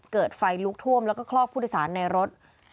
เกิดไฟลุกท่วมแล้วก็คลอกผู้โดยสารในรถ